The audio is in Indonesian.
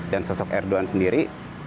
dan sosok erdogan sendiri